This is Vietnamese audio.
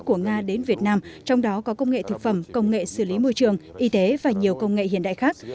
những công nghệ mới của nga đến việt nam trong đó có công nghệ thực phẩm công nghệ xử lý môi trường y tế và nhiều công nghệ hiện đại khác